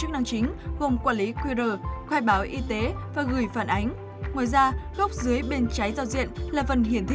hãy đăng ký kênh để nhận thông tin nhất